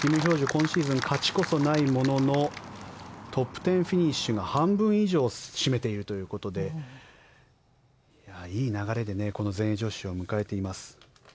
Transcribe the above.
今シーズン、勝ちこそないもののトップ１０フィニッシュが半分以上を占めているということでいい流れでこの全英女子を迎えています。